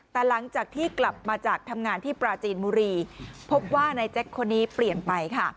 แต่หลังจากที่กลับมาจากทำงานที่ปราจีนบุรีพบว่านายแจ็คคนนี้เปลี่ยนไปค่ะ